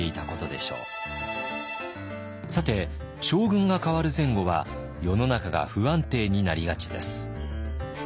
さて将軍が代わる前後は世の中が不安定になりがちです。